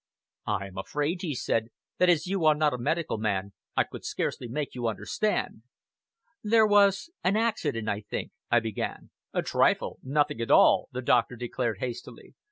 "I am afraid," he said, "that as you are not a medical man, I could scarcely make you understand." "There was an accident, I think," I began. "A trifle! Nothing at all," the doctor declared hastily.